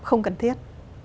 không cần thiết